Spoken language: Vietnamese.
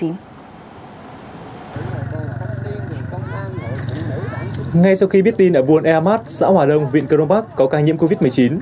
ngay sau khi biết tin ở buôn ea mát xã hòa đông huyện crong park có ca nhiễm covid một mươi chín